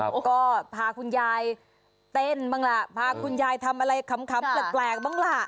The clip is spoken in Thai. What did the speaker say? แล้วก็พาคุณยายเต้นบ้างล่ะพาคุณยายทำอะไรขำแปลกบ้างล่ะ